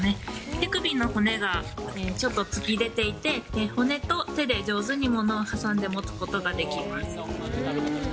手首の骨がちょっと突き出ていて、骨と手で上手に物を挟んで持つことができます。